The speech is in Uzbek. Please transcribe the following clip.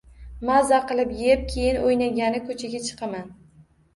Mazza qilib yeb, keyin oʻynagani koʻchaga chiqaman